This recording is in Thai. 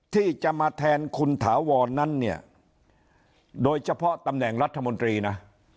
ที่จะมาแทนคุณถาวรนั้นเนี่ยโดยเฉพาะตำแหน่งรัฐมนตรีนะ